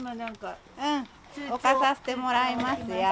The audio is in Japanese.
置かさせてもらいますよ。